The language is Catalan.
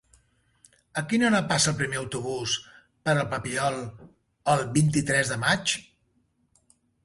A quina hora passa el primer autobús per el Papiol el vint-i-tres de maig?